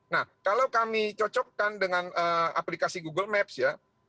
nah kalau kami cocokkan dengan aplikasi google maps ya